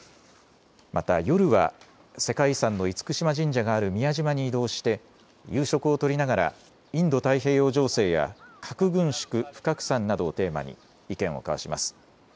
また夜は世界遺産の厳島神社がある宮島に移動して夕食をとりながらインド太平洋情勢や核軍縮・不拡散などをテーマに意見を交わします。